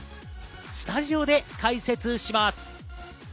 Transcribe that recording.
スタジオで解説します。